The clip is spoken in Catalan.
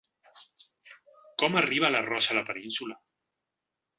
Com arriba l’arròs a la península?